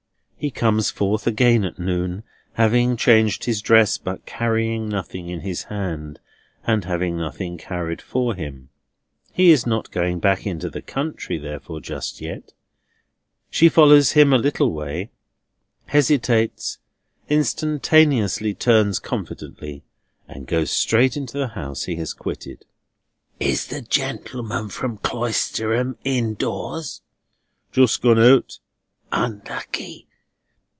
He comes forth again at noon, having changed his dress, but carrying nothing in his hand, and having nothing carried for him. He is not going back into the country, therefore, just yet. She follows him a little way, hesitates, instantaneously turns confidently, and goes straight into the house he has quitted. "Is the gentleman from Cloisterham indoors? "Just gone out." "Unlucky.